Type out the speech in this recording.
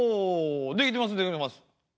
できてますできてます。